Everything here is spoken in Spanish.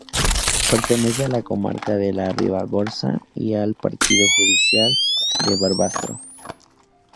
Pertenece a la comarca de la Ribagorza y al partido judicial de Barbastro.